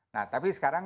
nah tapi sekarang